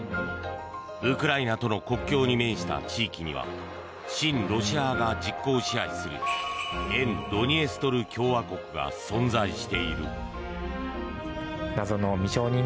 ウクライナとの国境に面した地域には親ロシア派が実効支配する沿ドニエストル共和国が存在している。